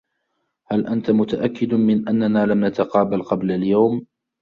هل أنت متأكّد من أنّنا لم نتقابل قبل اليوم ؟